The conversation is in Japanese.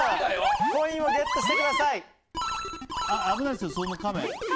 コインをゲットしてください！